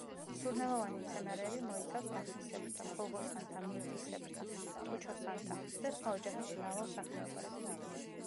სურნელოვანი მცენარეები მოიცავს დაფნისებრთა, ქოლგოსანთა, მირტისებრთა, ტუჩოსანთა და სხვა ოჯახის მრავალ სახეობას.